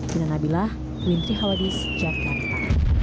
dina nabilah wintri hawadis jakarta